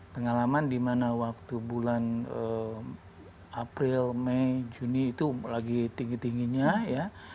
pengalaman di mana waktu bulan april mei juni itu lagi tinggi tingginya ya